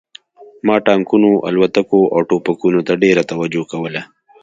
ما ټانکونو الوتکو او ټوپکونو ته ډېره توجه کوله